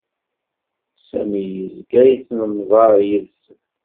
Sami yezga ittnemḍaṛ yid-sen.